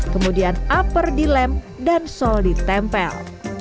kemudian upper dilem dan sol ditempel